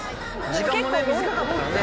時間もね短かったからね。